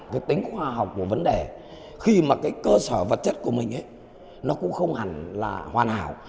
cái tính khoa học của vấn đề khi mà cái cơ sở vật chất của mình ấy nó cũng không hẳn là hoàn hảo